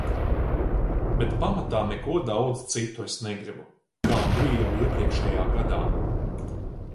Bet pamatā neko daudz citu es negribu, kā bija jau iepriekšējā gadā.